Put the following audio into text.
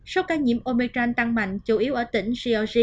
số ca nhiễm omicron tăng mạnh chủ yếu ở tỉnh seoul và vùng hồ nam